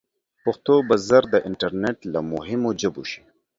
پښتو به ژر د انټرنیټ له مهمو ژبو شي.